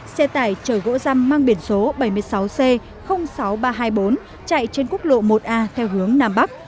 xe tải chở gỗ răm mang biển số bảy mươi sáu c sáu nghìn ba trăm hai mươi bốn chạy trên quốc lộ một a theo hướng nam bắc